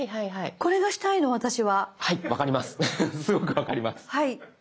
すごく分かります。